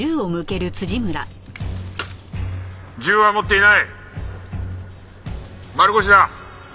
「銃は持っていない」「丸腰だ」